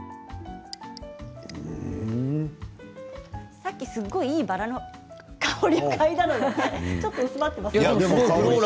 さっきすごくいいバラの香りを嗅いだのでちょっと薄まっていますか？